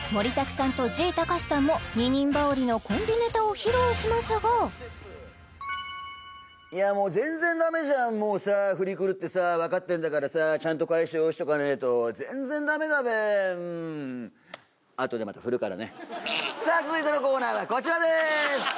さんとＧたかしさんも二人羽織のコンビネタを披露しますがいやもう全然ダメじゃんもうさ振りくるってさ分かってんだからさちゃんと返し用意しとかないと全然ダメだべうんあとでまた振るからねさあ続いてのコーナーはこちらです！